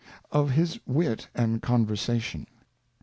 Of his Wit and Conversation.